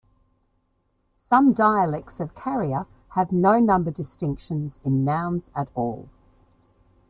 Some dialects of Carrier have no number distinctions in nouns at all.